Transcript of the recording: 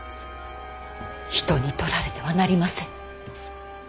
人に取られてはなりません。